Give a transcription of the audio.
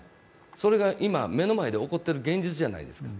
それが今、目の前で起こっている現実じゃないですか。